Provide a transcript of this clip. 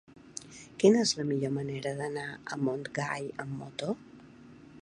Quina és la millor manera d'anar a Montgai amb moto?